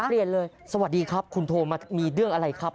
เปลี่ยนเลยสวัสดีครับคุณโทรมามีเรื่องอะไรครับ